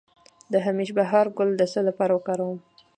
د همیش بهار ګل د څه لپاره وکاروم؟